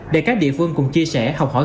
để các địa phương cùng chia sẻ học hỏi